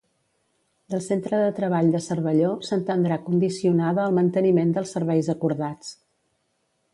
Del centre de treball de Cervelló, s'entendrà condicionada al manteniment dels serveis acordats.